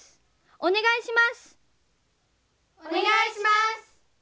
お願いします。